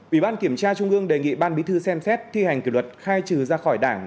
ủy ban kiểm tra trung ương đề nghị ban bí thư xem xét thi hành kỷ luật khai trừ ra khỏi đảng